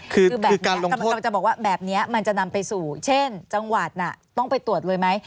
คือการลงโทษแบบนี้มันจะนำไปสู่เช่นจังหวัดน่ะต้องไปตรวจเลยไหม